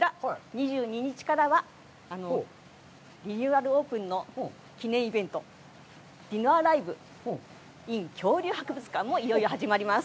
２２日からはリニューアルオープンの記念イベント、ディノアライブｉｎ恐竜博物館もいよいよ始まります。